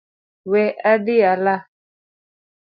We adhi ala